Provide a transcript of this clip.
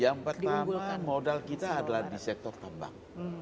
yang pertama modal kita adalah di sektor tambang